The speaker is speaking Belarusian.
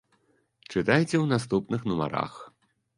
Чытайце ў наступных нумарах!